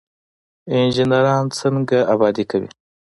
انجنیران څنګه ابادي کوي؟